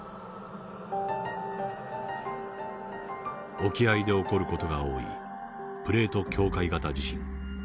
沖合で起こる事が多いプレート境界型地震。